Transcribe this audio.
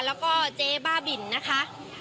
แล้วก็เจ๊บ้าบินนะคะ